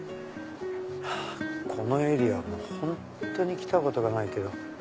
このエリアは本当に来たことがないけど。